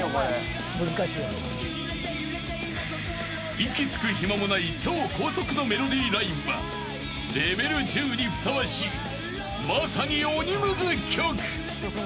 ［息つく暇もない超高速のメロディーラインはレベル１０にふさわしいまさに鬼ムズ曲］